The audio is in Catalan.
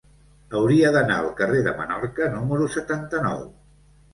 Hauria d'anar al carrer de Menorca número setanta-nou.